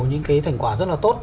những cái thành quả rất là tốt